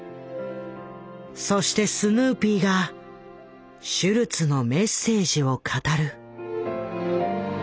そしてスヌーピーがシュルツのメッセージを語る。